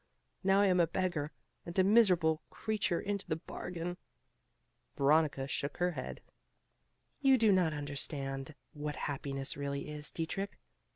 now I am a beggar, and a miserable creature into the bargain." Veronica shook her head. "You do not understand what happiness really is, Dietrich.